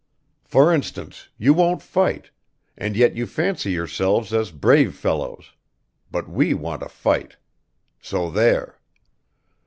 For instance, you won't fight and yet you fancy yourselves as brave fellows but we want to fight. So there!